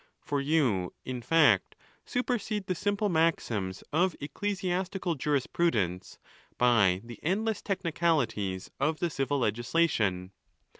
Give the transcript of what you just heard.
For you, in fact, supersede the simple maxims of ecclesiastical jurisprudence, by the endless technicalities of the civil legislation.